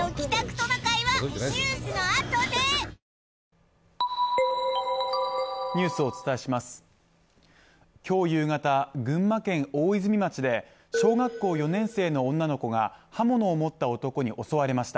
トナカイはニュースのあとで今日夕方、群馬県大泉町で小学校４年生の女の子が刃物を持った男に襲われました。